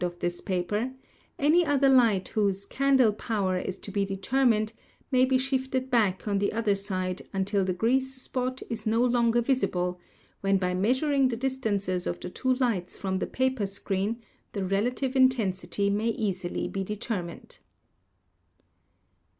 of this paper, any other light whose "candle power" is to be determined may be shifted back on the other side until the grease spot is no longer visible, when by measuring the distances of the two lights from the paper screen the relative intensity may easily be determined.